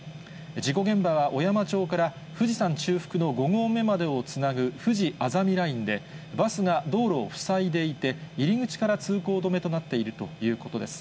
事故現場は小山町から富士山中腹の５合目までをつなぐふじあざみラインで、バスが道路を塞いでいて、入り口から通行止めとなっているということです。